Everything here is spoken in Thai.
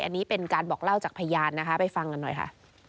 อันนี้เป็นการบอกเล่าจากพยานนะคะไปฟังกันหน่อยค่ะ